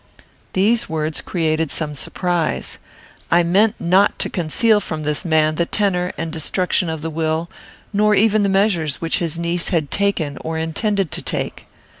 These words created some surprise. I meant not to conceal from this man the tenor and destruction of the will, nor even the measures which his niece had taken or intended to take.